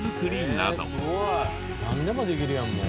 なんでもできるやんもう。